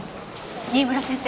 新村先生